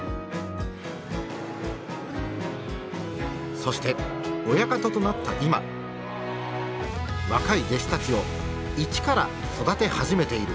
そして親方となった今若い弟子たちを一から育て始めている。